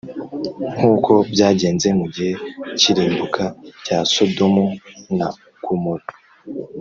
nk uko byagenze mu gihe cy irimbuka rya Sodomu na Gomora